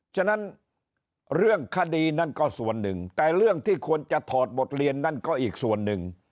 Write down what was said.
ฉะนั้นเรื่องคดีนั่นก็ส่วนหนึ่งแต่เรื่องที่ควรจะถอดบทเรียนนั่นก็อีกส่วนหนึ่ง